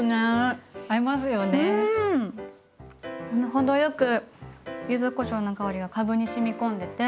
程よく柚子こしょうの香りがかぶに染み込んでて。